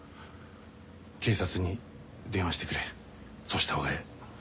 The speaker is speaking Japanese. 警察に電話してくれそうしたほうがええ。